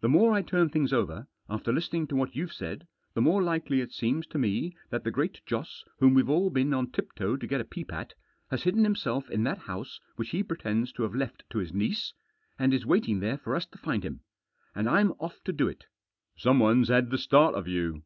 The more I turn things over, after listening to what you've said, the more likely it seems to me that the Great Joss, whom we've all been on tiptoe to get a peep at, has hidden himself in that house which he pretends to have left to his niece, and is waiting there for us to find him. And I'm off to do it !"" Someone's had the start of you."